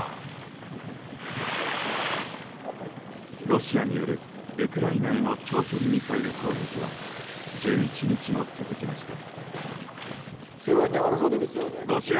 ロシアによるウクライナへの長距離ミサイル攻撃は１１日も続きました。